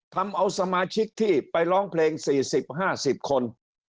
ทำเอาสมาชิกที่ไปร้องเพลง๔๐๕๐คน